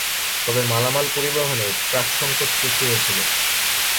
তবে মালামাল পরিবহনে ট্রাকসংকট সৃষ্টি হয়েছিল।